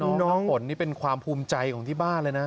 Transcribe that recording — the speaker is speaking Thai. น้องฝนนี่เป็นความภูมิใจของที่บ้านเลยนะ